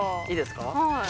いいですか？